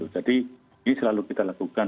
jadi ini selalu kita lakukan